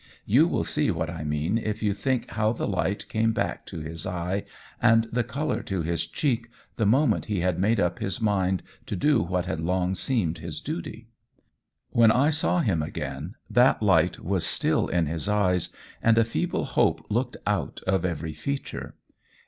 You will see what I mean if you think how the light came back to his eye and the colour to his cheek the moment he had made up his mind to do what had long seemed his duty. When I saw him again that light was still in his eyes, and a feeble hope looked out of every feature.